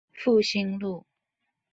復興路